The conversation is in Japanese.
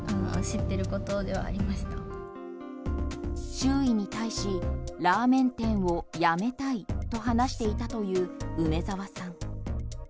周囲に対しラーメン店を辞めたいと話していたという梅澤さん。